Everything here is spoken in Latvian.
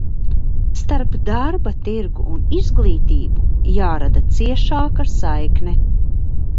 Starp darba tirgu un izglītību jārada ciešāka saikne.